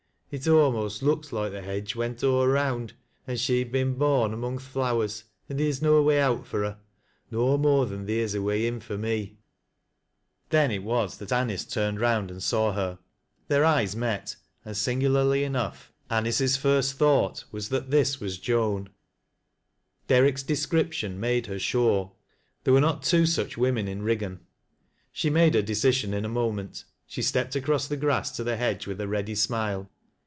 It a'most looks loike the hedge went aw' around an' she'd been bon. among th' flowers, and theer's no way out for her— nc more than theer's a way in fur me." Then ft was that Anice turned round and saw hct Their eyes met, and, singularly enough An ice's firs' THEN IT WAS THAT ANICB TURNED ABOUND AND SAW HEK. OUTSIDE THE EMDQE. 49 thought was that this was Joan. Derrick's description made her sure. There were not two such women in Eig gau. She made her decision in a moment. She stepped across the grast to the hedge with a ready smile.